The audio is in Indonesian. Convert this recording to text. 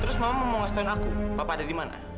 terus mama mau ngasih tauin aku papa ada di mana